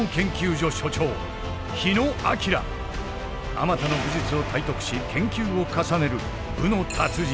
あまたの武術を体得し研究を重ねる武の達人。